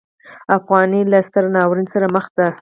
افغانۍ له ستر ناورین سره مخ ده.